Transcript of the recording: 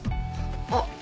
あっ